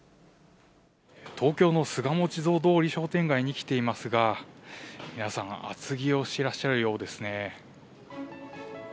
東京の巣鴨地蔵通り商店街に来ていますが、皆さん、厚着をしてらっしゃるようですね。